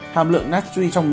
hàm lượng nát truy trong muối